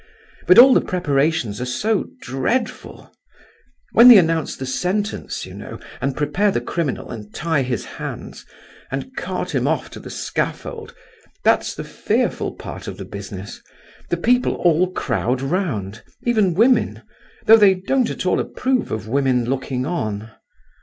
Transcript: But all the preparations are so dreadful. When they announce the sentence, you know, and prepare the criminal and tie his hands, and cart him off to the scaffold—that's the fearful part of the business. The people all crowd round—even women—though they don't at all approve of women looking on."